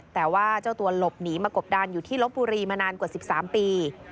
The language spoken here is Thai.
แต่ว่าเจ้าตัวหลบหนีมากบดานอยู่ที่ลบบุรีมานานกว่า๑๓ปี